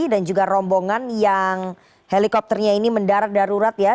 dan juga rombongan yang helikopternya ini mendarat darurat ya